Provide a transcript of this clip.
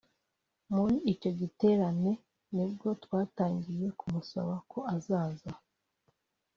muri icyo giterane ni bwo twatangiye kumusaba ko azaza